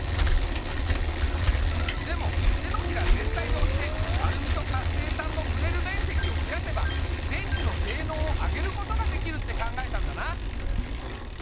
でも手のひら全体でおしてアルミと活性炭のふれるめんせきをふやせば電池のせいのうを上げることができるって考えたんだな。